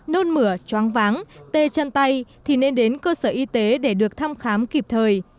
nôn mửa choáng váng tê chân tay thì nên đến cơ sở y tế để được thăm khám kịp thời